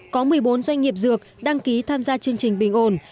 có một mươi bốn doanh nghiệp dược đăng ký tham gia chương trình bình ổn